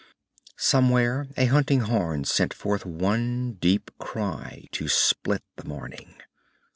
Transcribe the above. Somewhere a hunting horn sent forth one deep cry to split the morning.